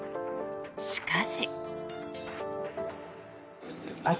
しかし。